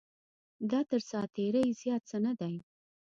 دا تر ساعت تېرۍ زیات څه نه دی.